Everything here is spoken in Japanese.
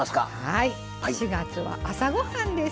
はい４月は「朝ごはん」です。